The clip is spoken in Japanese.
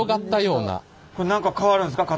これ何か変わるんですか？